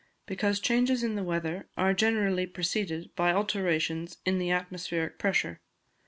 _ Because changes in the weather are generally preceded by alterations in the atmospheric pressure.